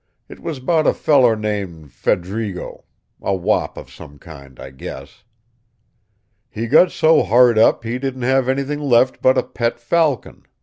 It was about a feller named 'Fed'rigo.' A wop of some kind, I guess. He got so hard up he didn't have anything left but a pet falcon.